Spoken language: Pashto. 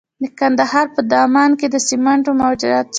د کندهار په دامان کې د سمنټو مواد شته.